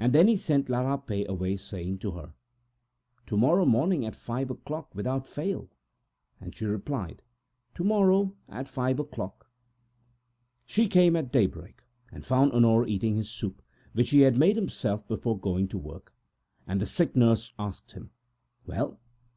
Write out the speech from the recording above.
Then he sent La Rapet away, saying to her: "To morrow morning at five o'clock, without fail." And she replied: "To morrow at five o'clock." She came at daybreak, and found Honore eating his soup, which he had made himself, before going to work. "Well, is your mother dead?"